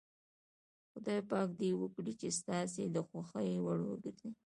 خدای پاک دې وکړي چې ستاسو د خوښې وړ وګرځي.